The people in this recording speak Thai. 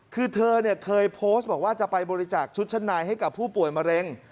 คือเธอเคยโพสต์บอกว่าจะไปบริจาคชุดชั้นในให้กับผู้ป่วยมะเร็ง